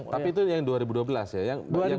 tapi itu yang dua ribu dua belas ya